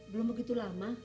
belum begitu lama